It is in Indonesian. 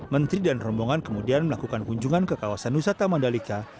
menteri dan rombongan kemudian melakukan kunjungan ke kawasan wisata mandalika